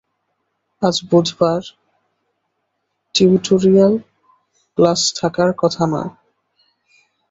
আজ বুধবার, tutorial class থাকার কথা নয়।